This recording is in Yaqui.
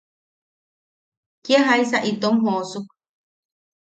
¡Kia jaisa itom joosuk!